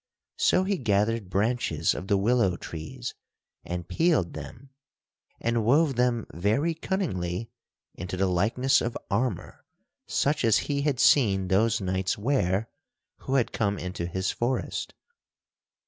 So he gathered branches of the willow trees and peeled them and wove them very cunningly into the likeness of armor such as he had seen those knights wear who had come into his forest.